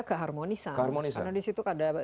keharmonisan karena di situ ada